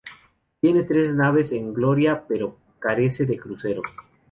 Tiene tres naves en girola, pero carece de crucero.